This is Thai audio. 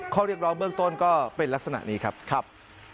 ข้อเรียกร้องเบื้องต้นก็เป็นลักษณะนี้ครับ